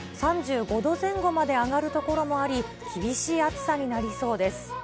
３５度前後まで上がる所もあり、厳しい暑さになりそうです。